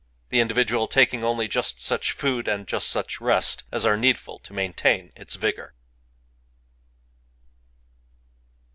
the individual taking only just such food and just such rest as are needful to maintain its vigor."